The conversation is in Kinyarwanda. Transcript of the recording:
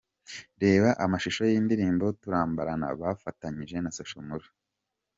Reba amashusho y'indirimbo 'Turambarana' bafatanije na Social Mula.